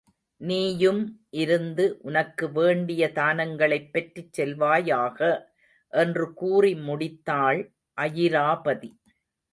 நீயும் இருந்து உனக்கு வேண்டிய தானங்களைப் பெற்றுச் செல்வாயாக என்று கூறி முடித்தாள் அயிராபதி.